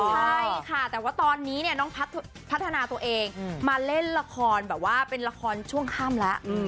ใช่ค่ะแต่ว่าตอนนี้เนี่ยน้องพัฒนาตัวเองมาเล่นละครแบบว่าเป็นละครช่วงค่ำแล้ว